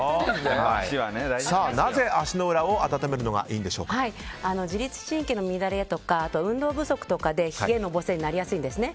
なぜ足の裏を自律神経の乱れとか運動不足とかで冷えのぼせになりやすいんですね。